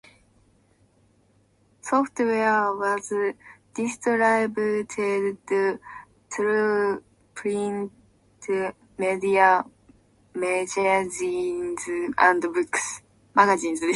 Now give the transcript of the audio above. Software was distributed through print media; magazines and books.